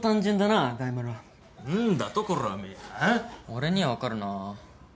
俺には分かるな。